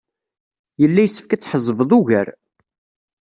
Yella yessefk ad tḥezzbeḍ ugar.